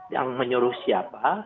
yang menyuruh siapa